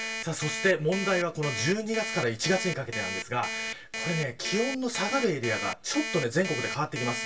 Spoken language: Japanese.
問題は１２月から１月にかけてですが気温の下がるエリアがちょっと全国で変わってきます。